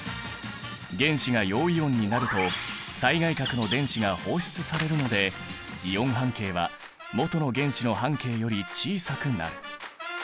原子が陽イオンになると最外殻の電子が放出されるのでイオン半径はもとの原子の半径より小さくなる。